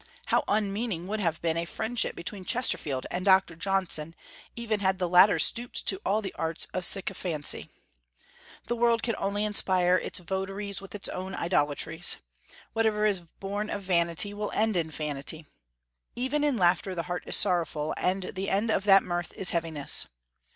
How unmeaning would have been a friendship between Chesterfield and Dr. Johnson, even had the latter stooped to all the arts of sycophancy! The world can only inspire its votaries with its own idolatries. Whatever is born of vanity will end in vanity. "Even in laughter the heart is sorrowful, and the end of that mirth is heaviness."